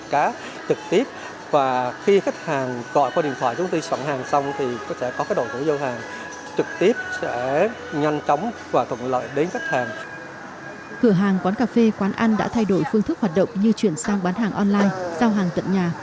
cửa hàng quán cà phê quán ăn đã thay đổi phương thức hoạt động như chuyển sang bán hàng online giao hàng tận nhà